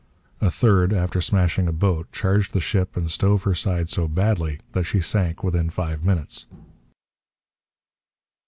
A third, after smashing a boat, charged the ship and stove her side so badly that she sank within five minutes.